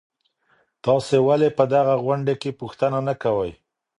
تاسو ولي په دغه غونډې کي پوښتنه نه کوئ؟